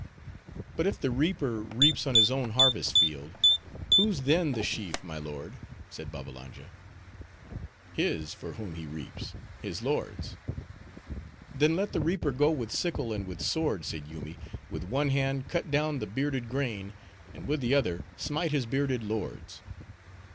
"But if the reaper reaps on his own harvest field, whose then the sheaf, my lord?" said Babbalanja. "His for whom he reaps—his lord's!" "Then let the reaper go with sickle and with sword," said Yoomy, "with one hand, cut down the bearded grain; and with the other, smite his bearded lords."